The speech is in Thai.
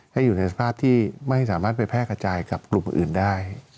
ให้อยู่ในสภาพที่ไม่สามารถไปแพร่กระจายกับกลุ่มอื่นได้